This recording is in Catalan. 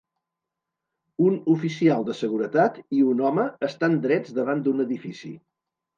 Un oficial de seguretat i un home estan drets davant d'un edifici.